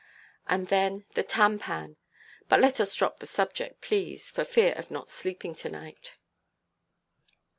And then the tampan—but let us drop the subject, please, for fear of not sleeping to–night.